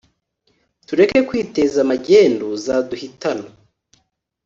Tureke kwiteza magendu zaduhitana